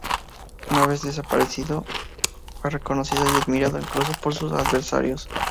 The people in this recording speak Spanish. Una vez desaparecido fue reconocido y admirado, incluso, por sus adversarios.